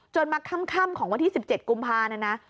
มาค่ำของวันที่๑๗กุมภานะนะ